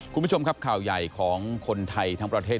คุณผู้ชมครับข่าวใหญ่ของคนไทยทั้งประเทศ